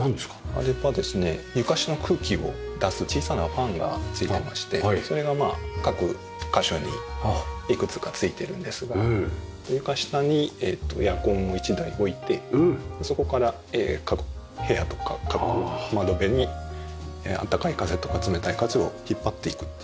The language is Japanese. あれはですね床下の空気を出す小さなファンがついてましてそれが各箇所にいくつかついてるんですが床下にエアコンを１台置いてそこから各部屋とか各窓辺にあったかい風とか冷たい風を引っ張っていくっていう。